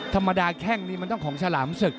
ธรรมดาแข้งนี้มันต้องของฉลามศึก